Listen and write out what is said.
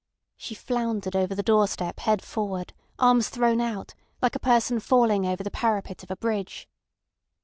She floundered over the doorstep head forward, arms thrown out, like a person falling over the parapet of a bridge.